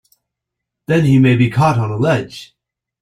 Then he may be caught on a ledge!